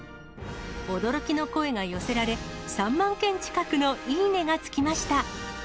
驚きの声が寄せられ、３万件近くのいいねがつきました。